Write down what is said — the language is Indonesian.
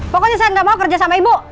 pokoknya saya gak mau kerja sama ibu